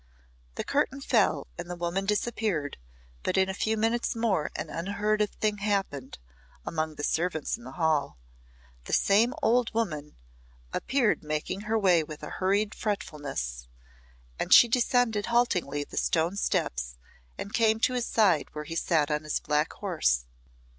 The curtain fell and the woman disappeared, but in a few minutes more an unheard of thing happened among the servants in the hall, the same old woman appeared making her way with a hurried fretfulness, and she descended haltingly the stone steps and came to his side where he sat on his black horse.